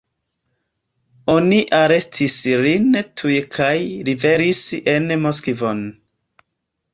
Oni arestis lin tuj kaj liveris en Moskvon.